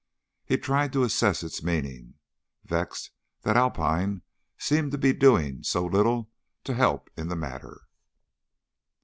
He tried to assess its meaning, vexed that Alpine seemed to be doing so little to help in the matter.